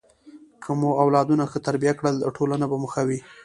که مو اولادونه ښه تربیه کړل، ټولنه به مو ښه وي.